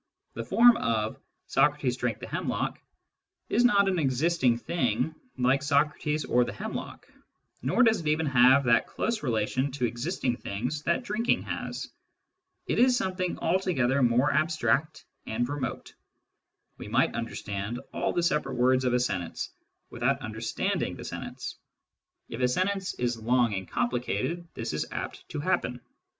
The form of " Socrates drank the hemlock " is not an existing thing like Socrates or the hemlock, nor does it even have that close relation to existing things that drinking has. It is something altogether more abstract and remote. We might understand all the separate words of a sentence without understanding the sentence : if a sentence is long and complicated, this is apt to happen.